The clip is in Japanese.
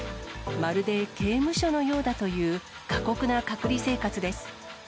まるで刑務所のようだという過酷な隔離生活です。